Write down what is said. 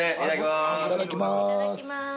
いただきます。